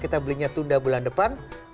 kita belinya tunda bulan depan